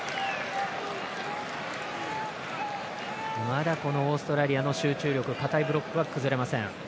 まだこのオーストラリアの集中力堅いブロックは崩れません。